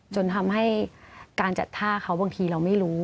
จนทำให้การจัดท่าเขาบางทีเราไม่รู้